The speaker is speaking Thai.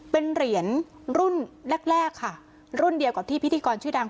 เป็นเหรียญรุ่นแรกแรกค่ะรุ่นเดียวกับที่พิธีกรชื่อดัง